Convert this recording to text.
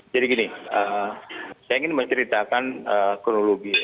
jadi gini saya ingin menceritakan kronologi